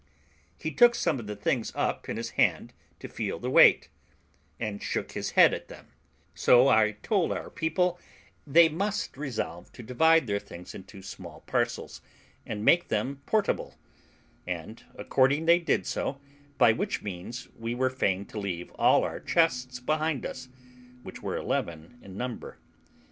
He took some of the things up in his hand to feel the weight, and shook his head at them; so I told our people they must resolve to divide their things into small parcels, and make them portable; and accordingly they did so, by which means we were fain to leave all our chests behind us, which were eleven in number.